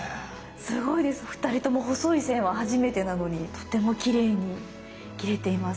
すごいです２人とも細い線は初めてなのにとてもきれいに切れています。